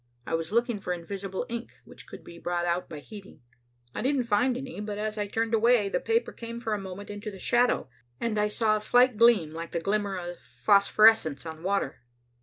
I was looking for invisible ink, which could be brought out by heating. I didn't find any, but as I turned away, the paper came for a moment into the shadow and I saw a slight gleam like the glimmer of phosphorescence on water.